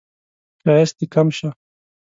ښایست دې کم شه